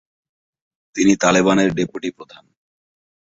তিনি তালেবানের ডেপুটি প্রধান।